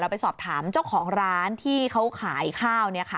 ไปสอบถามเจ้าของร้านที่เขาขายข้าว